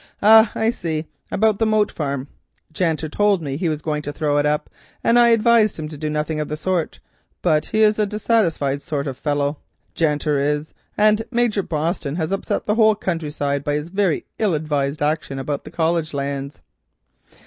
Ah, I see, about the Moat Farm. Janter told me that he was going to throw it up, and I advised him to do nothing of the sort, but he is a dissatisfied sort of a fellow, Janter is, and Major Boston has upset the whole country side by his very ill advised action about the College lands."